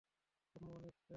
আম্মু অনেক স্যরি!